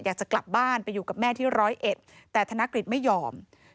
อยากจะกลับบ้านไปอยู่กับแม่ที่ร้อยเอ็ดแต่ธนกฤษไม่ยอม